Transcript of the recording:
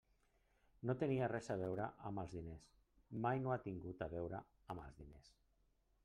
No tenia res a veure amb els diners, mai no ha tingut a veure amb els diners.